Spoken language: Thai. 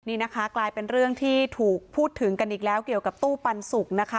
นี่นะคะกลายเป็นเรื่องที่ถูกพูดถึงกันอีกแล้วเกี่ยวกับตู้ปันสุกนะคะ